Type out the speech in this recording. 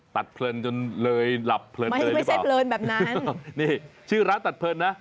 ตัดเพลินจนเลยหลับเพลินเลยหรือเปล่านี่ชื่อร้านตัดเพลินนะ